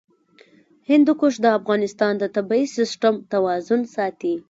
هندوکش د افغانستان د طبعي سیسټم توازن ساتي.